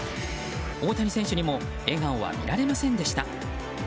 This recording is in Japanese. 大谷選手にも笑顔は見られませんでした。